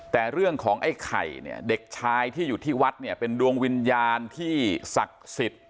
แต่เรื่องของไอ้ไข่เนี่ยเด็กชายที่อยู่ที่วัดเนี่ยเป็นดวงวิญญาณที่ศักดิ์สิทธิ์